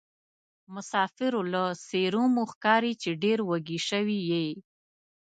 مسافرو له څېرومو ښکاري چې ډېروږي سوي یې.